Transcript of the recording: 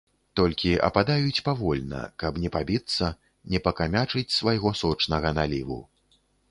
Толькі ападаюць павольна, каб не пабіцца, не пакамячыць свайго сочнага наліву.